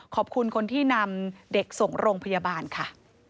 ขอบคุณคนที่นำเด็กส่งโรงพยาบาลค่ะ